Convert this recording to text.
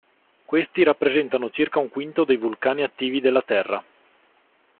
Questi rappresentano circa un quinto dei vulcani attivi della Terra.